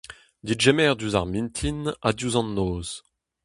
Degemer diouzh ar mintin ha diouzh an noz.